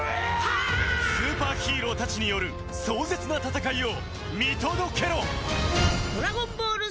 ［スーパーヒーローたちによる壮絶な戦いを見届けろ！］